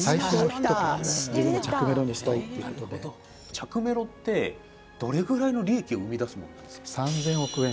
着メロってどれぐらいの利益を生み出すものなんですか？